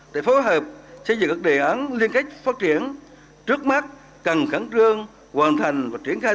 để phối hợp xây dựng các đề án liên kết phát triển trước mắt cần khẳng trương hoàn thành và triển khai